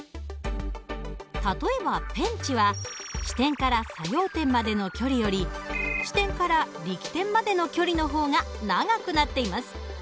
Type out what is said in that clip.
例えばペンチは支点から作用点までの距離より支点から力点までの距離の方が長くなっています。